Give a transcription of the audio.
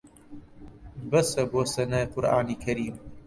بەسە بۆ سەنای قورئانی کەریم